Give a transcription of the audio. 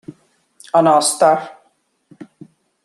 An Ostair